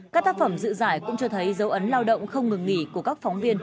các tác phẩm dự giải cũng cho thấy dấu ấn lao động không ngừng nghỉ của các phóng viên